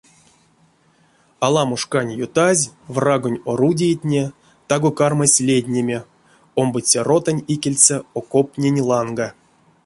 Аламо шкань ютазь врагонь орудиятне таго кармасть леднеме омбоце ротань икельце окоптнень ланга.